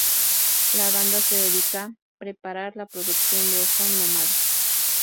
La banda se dedica preparar la producción de Ojo Nómade.